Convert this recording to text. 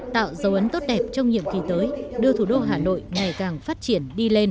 tạo dấu ấn tốt đẹp trong nhiệm kỳ tới đưa thủ đô hà nội ngày càng phát triển đi lên